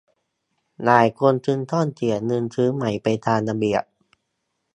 หลายคนจึงต้องเสียเงินซื้อใหม่ไปตามระเบียบ